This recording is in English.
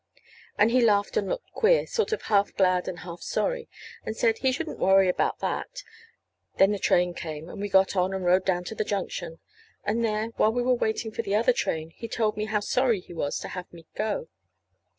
And he laughed and looked queer sort of half glad and half sorry; and said he shouldn't worry about that. Then the train came, and we got on and rode down to the junction. And there, while we were waiting for the other train, he told me how sorry he was to have me go.